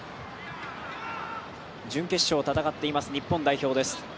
準決勝、戦っています日本代表です。